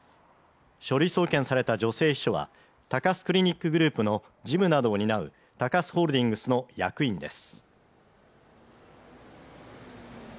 書類送検された女性秘書は高須クリニックグループの事務などを担う高須ホールディングスの役員です